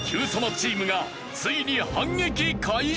チームがついに反撃開始！？